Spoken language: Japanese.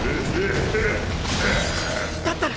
だったら。